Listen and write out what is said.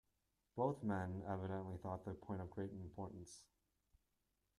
Both men evidently thought the point of great importance.